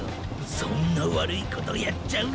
そんなわるいことやっちゃうの？